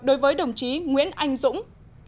đối với đồng chí nguyễn anh dũng